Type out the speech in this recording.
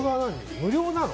無料なの？